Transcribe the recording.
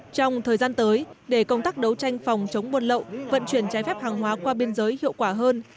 trong thời gian tới để công tác đấu tranh phòng chống buôn lậu vận chuyển trái phép hàng hóa qua biên giới hiệu quả hơn